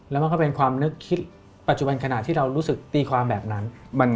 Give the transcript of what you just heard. แล้วมันก็เป็นความนึกคิดปัจจุบันขณะที่เรารู้สึกตีความแบบนั้น